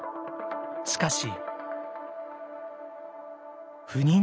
しかし。